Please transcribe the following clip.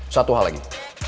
satu hal lagi